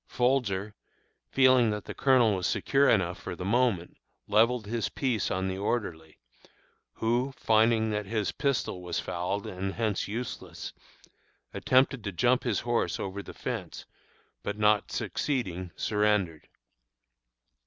Folger, feeling that the Colonel was secure enough for the moment, levelled his piece on the orderly, who, finding that his pistol was fouled and hence useless, attempted to jump his horse over the fence, but not succeeding, surrendered.